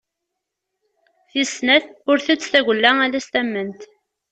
Tis snat: ur tett tagella ala s tamment.